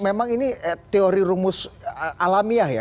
memang ini teori rumus alamiah ya